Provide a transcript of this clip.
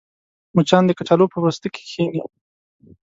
مچان د کچالو پر پوستکي کښېني